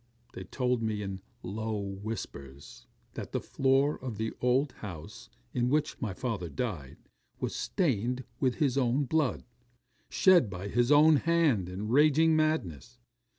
They told me in low whispers, that the floor of the old house in which my father died, was stained with his own blood, shed by his own hand in raging madness.